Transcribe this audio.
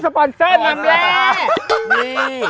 สปอนเซอร์นั่นเนี่ย